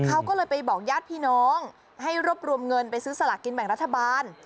เขาก็เลยไปบอกญาติพี่น้องให้รวบรวมเงินไปซื้อสลากกินแบ่งรัฐบาล